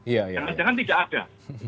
jangan jangan tidak ada